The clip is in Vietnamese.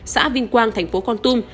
xã vinh quang thành phố con tum